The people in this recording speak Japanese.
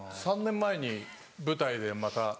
３年前に舞台でまた。